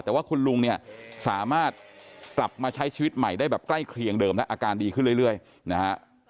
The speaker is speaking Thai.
แต่ว่าคุณลุงเนี่ยสามารถกลับมาใช้ชีวิตใหม่ได้แบบใกล้เคียงเดิมและอาการดีขึ้นเรื่อยนะฮะ